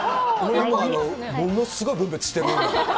ものすごい分別してる。